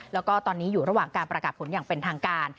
แล้วก็ตอนนี้อยู่ระหว่างการประกาศผลอย่างเป็นทางการ